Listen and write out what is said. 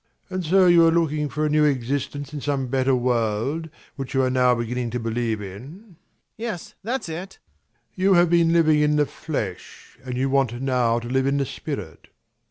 ABBÉ. And so you are looking for a new existence in some better world, which you are now beginning to believe in? MAURICE. Yes, that's it. ABBÉ. You have been living in the flesh and you want now to live in the spirit.